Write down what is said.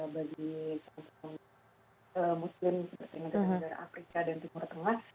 bagi muslim seperti negara afrika dan tenggara tengah